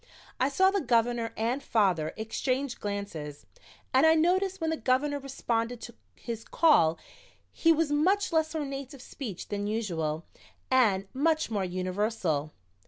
I saw the Governor and father exchange glances and I noticed when the Governor responded to his call he was much less ornate of speech than usual and much more universal.